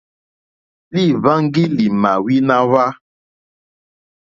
Lîhwáŋgí lì mà wíná hwá.